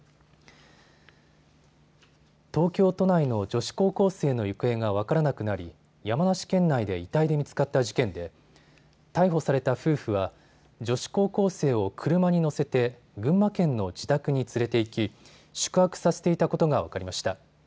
東京都内の女子高校生の行方が分からなくなり山梨県内で遺体で見つかった事件で逮捕された夫婦は女子高校生を車に乗せて群馬県の自宅に連れて行き宿泊させていたことが分かりました。